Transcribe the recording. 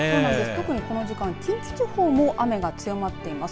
特にこの時間、近畿地方も雨が強まっています。